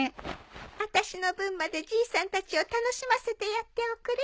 あたしの分までじいさんたちを楽しませてやっておくれ。